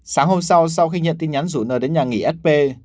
sáng hôm sau sau khi nhận tin nhắn rủ nơi đến nhà nghỉ sp